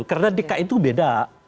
karena dki itu beda